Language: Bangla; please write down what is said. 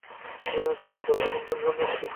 তুমি গত রাতে কোনো ঝন ঝন শব্দ শোনা নাই?